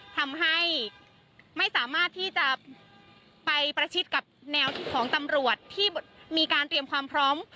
ทำให้ไม่สามารถที่จะไปประชิดกับแนวของตำรวจที่มีการเตรียมความพร้อม